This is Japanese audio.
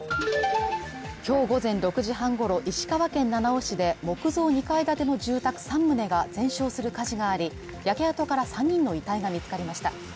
今日午前６時半ごろ石川県七尾市で木造２階建ての住宅３棟が全焼する火事があり、焼け跡から３人の遺体が見つかりました。